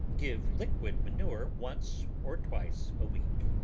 Give liquid manure once or twice a week.